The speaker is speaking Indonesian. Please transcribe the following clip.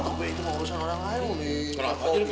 ya tapi itu mau urusan orang lain umli